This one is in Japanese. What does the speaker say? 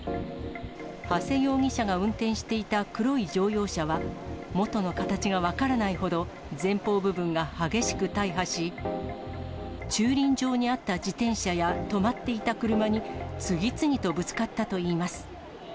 長谷容疑者が運転していた黒い乗用車は、元の形が分からないほど、前方部分が激しく大破し、駐輪場にあった自転車や、止まっていた車に次々とぶつかったといいます。